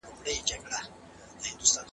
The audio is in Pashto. خلعي حق چاته ورکول سوی دی؟